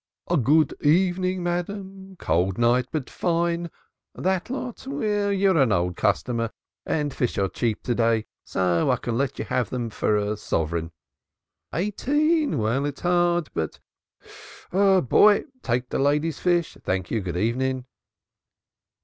"Good evening, madam. Cold night but fine. That lot? Well, you're an old customer and fish are cheap to day, so I can let you have 'em for a sovereign. Eighteen? Well, it's hard, but boy! take the lady's fish. Thank you. Good evening."